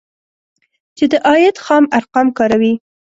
چې د عاید خام ارقام کاروي